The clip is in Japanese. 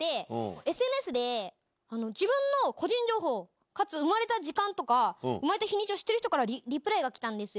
ＳＮＳで自分の個人情報、かつ産まれた時間とか、生まれた日にちを知ってる人から、リプライが来たんですよ。